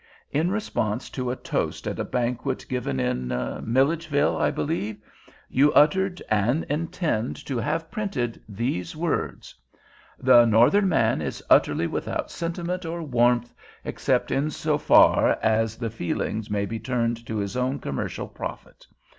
In response to a toast at a banquet given in—Milledgeville, I believe—you uttered, and intend to have printed, these words: "'The Northern man is utterly without sentiment or warmth except in so far as the feelings may be turned to his own commercial profit.